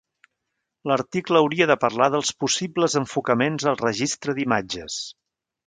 L'article hauria de parlar dels possibles enfocaments al registre d'imatges.